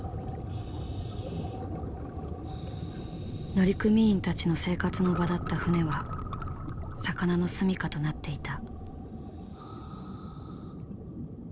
乗組員たちの生活の場だった船は魚の住みかとなっていた。